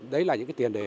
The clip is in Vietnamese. đấy là những cái tiền để